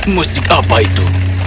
musik apa itu